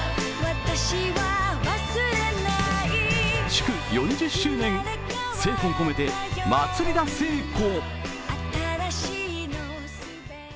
祝４０周年、精魂込めて、まつりだ聖子！